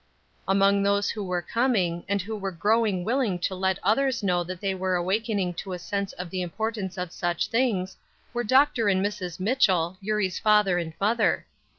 Among those who were coming, and who were growing willing to let others know that they were awakening to a sense of the importance of these things, were Dr. and Mrs. Mitchell, Eurie's father and mother.